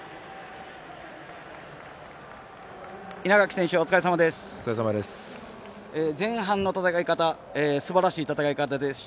稲垣選手お疲れさまです。